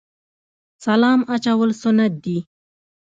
سلام اچول سنت دي